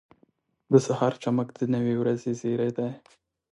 • د سهار چمک د نوې ورځې زیری دی.